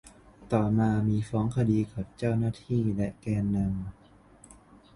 ต่อมามีฟ้องคดีกับทั้งเจ้าหน้าที่และแกนนำ